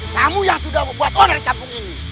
kamu yang sudah membuat oner di kampung ini